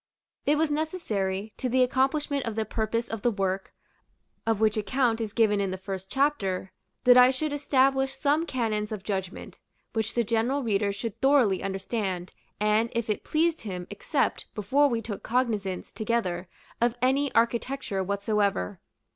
It was necessary, to the accomplishment of the purpose of the work (of which account is given in the First Chapter), that I should establish some canons of judgment, which the general reader should thoroughly understand, and, if it pleased him, accept, before we took cognizance, together, of any architecture whatsoever.